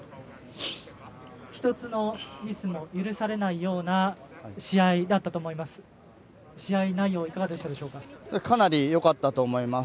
１つのミスも許されないような試合だったと思います。